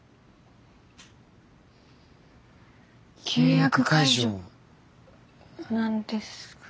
契約解除なんですが。